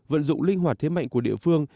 vận dụng linh hoạt thế mạnh của địa phương